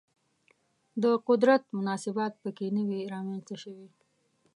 د قدرت مناسبات په کې نه وي رامنځته شوي